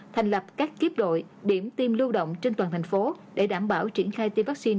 thành lập các kiếp đội điểm tiêm lưu động trên toàn thành phố để đảm bảo triển khai tiêm vaccine